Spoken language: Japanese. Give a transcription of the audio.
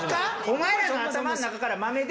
お前らの頭の中から。